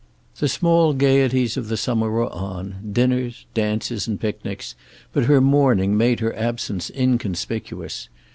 The small gaieties of the summer were on, dinners, dances and picnics, but her mourning made her absence inconspicuous.